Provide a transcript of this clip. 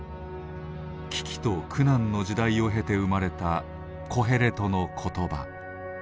危機と苦難の時代を経て生まれた「コヘレトの言葉」。